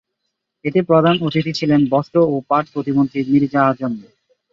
এতে প্রধান অতিথি ছিলেন বস্ত্র ও পাট প্রতিমন্ত্রী মির্জা আজম।